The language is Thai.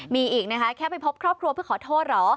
มีอีกนะคะแค่ไปพบครอบครัวเพื่อขอโทษเหรอ